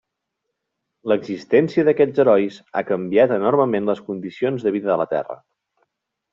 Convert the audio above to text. L'existència d'aquests herois ha canviat enormement les condicions de vida a la Terra.